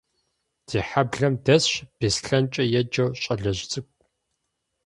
Ди хьэблэм дэсщ Беслъэнкӏэ еджэу щӀалэжь цӀыкӀу.